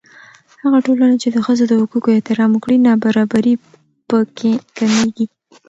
هغه ټولنه چې د ښځو د حقوقو احترام وکړي، نابرابري په کې کمېږي.